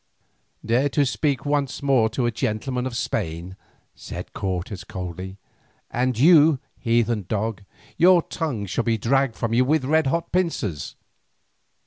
"Dare to speak thus once more to a gentleman of Spain," said Cortes coldly, "and, you heathen dog, your tongue shall be dragged from you with red hot pincers.